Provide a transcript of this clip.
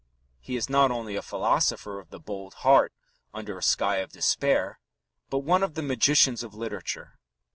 He is not only a philosopher of the bold heart under a sky of despair, but one of the magicians of literature.